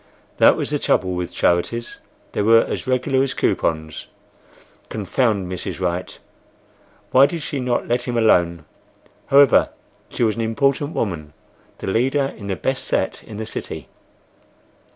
That was the trouble with charities,—they were as regular as coupons. Confound Mrs. Wright! Why did she not let him alone! However, she was an important woman—the leader in the best set in the city.